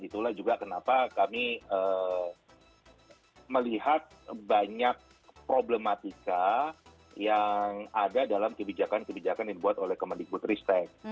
itulah juga kenapa kami melihat banyak problematika yang ada dalam kebijakan kebijakan yang dibuat oleh kemendikbud ristek